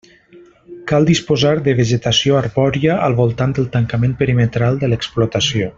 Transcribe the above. Cal disposar de vegetació arbòria al voltant del tancament perimetral de l'explotació.